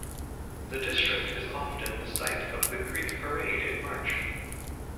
The district is often the site of the Greek parade in March.